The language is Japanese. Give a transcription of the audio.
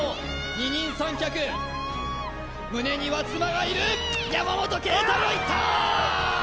二人三脚胸には妻がいる山本桂太朗いった！